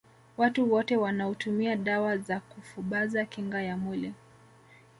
Watu wote wanaotumia dawa za kufubaza kinga ya mwili